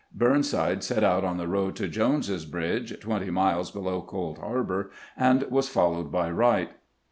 Burnside set out on the road to Jones's Bridge, twenty miles below Cold Harbor, and was followed by Wright.